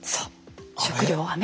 食料はね。